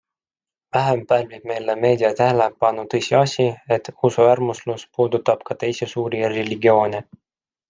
Vähem pälvib meil meedia tähelepanu tõsiasi, et usuäärmuslus puudutab ka teisi suuri religioone.